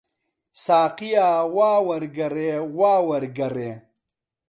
ساقییا، وا وەرگەڕێ، وا وەرگەڕێ!